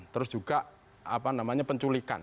terus juga apa namanya penculikan